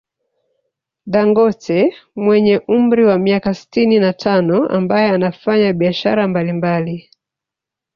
Dangote mwenye umri wa miaka sitini na tano ambaye anafanya biashara mbali mbali